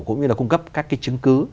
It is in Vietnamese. cũng như là cung cấp các cái chứng cứ